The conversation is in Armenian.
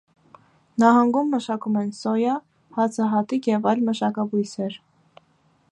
Նահանգում մշակում են սոյա, հացահատիկ և այլ մշակաբույսեր։